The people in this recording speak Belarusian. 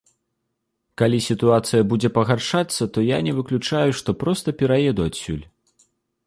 Калі сітуацыя будзе пагаршацца, то я не выключаю, што проста пераеду адсюль.